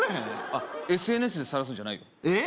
あＳＮＳでさらすんじゃないよえっ？